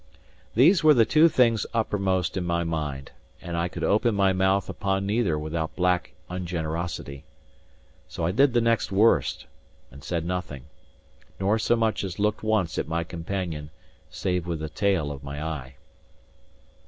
These were the two things uppermost in my mind; and I could open my mouth upon neither without black ungenerosity. So I did the next worst, and said nothing, nor so much as looked once at my companion, save with the tail of my eye.